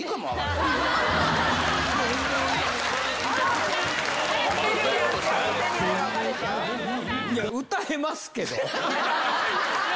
いや、歌えますけど。